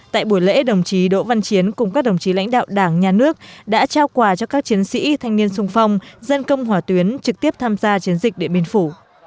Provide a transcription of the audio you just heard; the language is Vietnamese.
tại buổi lễ đồng chí đỗ văn chiến cùng các đồng chí lãnh đạo đảng nhà nước đã trao quà cho các chiến sĩ thanh niên sung phong dân công hỏa tuyến trực tiếp tham gia chiến dịch điện biên phủ